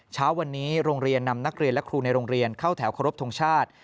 เช้าวันนี้โรงเรียนนำนักเรียนและครูในโรงเรียนเข้าแถวเคารพทงชาติ